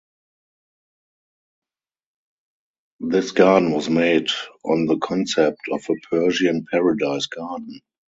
This garden was made on the concept of a Persian paradise garden.